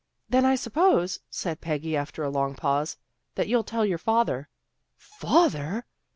" Then, I suppose," said Peggy, after a long pause, " that you'll tell your father." " Father!